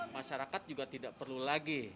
masyarakat juga tidak perlu lagi